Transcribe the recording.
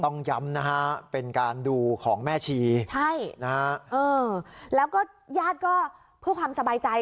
ต้องย้ำนะฮะเป็นการดูของแม่ชีใช่นะฮะเออแล้วก็ญาติก็เพื่อความสบายใจ